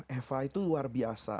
eva itu luar biasa